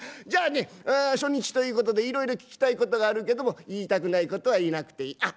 じゃあね初日ということでいろいろ聞きたいことがあるけども言いたくないことは言わなくていい。